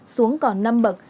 xuống còn năm bậc